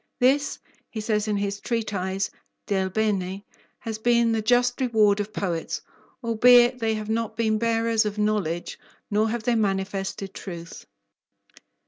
This, he says in his treatise, Del Bene, has been the just reward of poets, albeit they have not been bearers of knowledge, nor have they manifested truth.